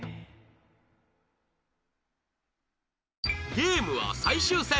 ゲームは最終戦